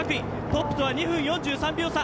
トップと２分４３秒差。